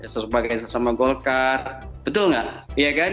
sebagai sesama golkar betul nggak ya kan